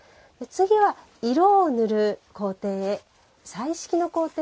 次は、色を塗る工程。